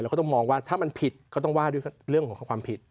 ก็ต้องมองว่าถ้ามันผิดก็ต้องว่าด้วยเรื่องของความผิด